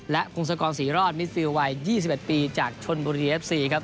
และพงศกรศรีรอดมิดฟิลวัย๒๑ปีจากชนบุรีเอฟซีครับ